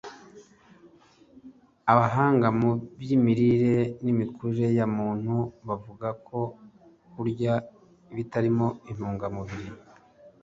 Abahanga mu by’imirire n’imikurire ya muntu bavuga ko kurya ibitarimo intungamubiri